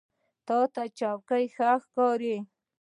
د تا چوکۍ ښه ښکاري